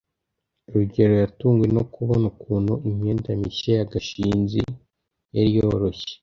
rugeyo yatunguwe no kubona ukuntu imyenda mishya ya gashinzi yari yoroshye